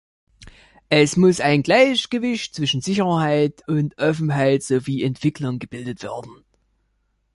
Es muss ein Gleichgewicht zwischen Sicherheit und Offenheit sowie Entwicklung gebildet werden.